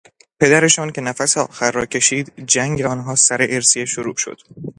پدرشان که نفس آخر را کشید جنگ آنها سر ارثیه شروع شد.